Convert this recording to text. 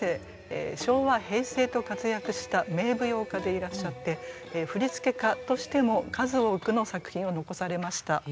昭和平成と活躍した名舞踊家でいらっしゃって振付家としても数多くの作品を残されました。